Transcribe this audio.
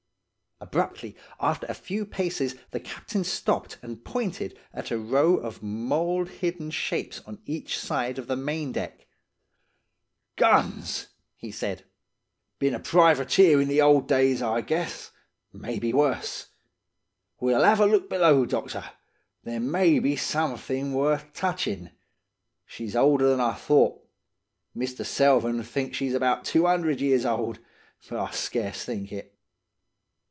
"Abruptly, after a few paces, the captain stopped and pointed at a row of mould hidden shapes on each side of the maindeck. 'Guns,' he said. 'Been a privateer in the old days, I guess–maybe worse! We'll 'ave a look below, doctor; there may be something worth touchin'. She's older than I thought. Mr. Selvern thinks she's about two hundred years old; but I scarce think it.